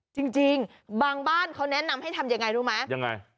จริงบางบ้านเขาแนะนำให้ทำยังไงรู้ไหมยังไง